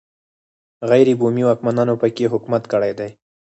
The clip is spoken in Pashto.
غیر بومي واکمنانو په کې حکومت کړی دی.